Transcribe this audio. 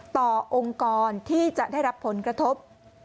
องค์กรที่จะได้รับผลกระทบ